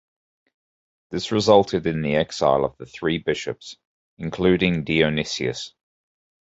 This resulted in the exile of the three bishops, including Dionysius.